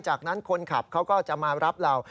จากนั้นคนขับเขาก็จะมารับเรา